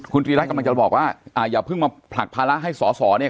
คุณฤรัฐจะบอกว่าอย่าพึ่งมาผลักภาระให้ส่อเนี่ย